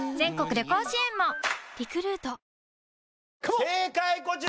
正解こちら！